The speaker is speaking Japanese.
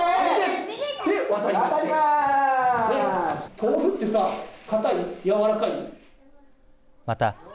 豆腐ってさ、硬い、柔らかい。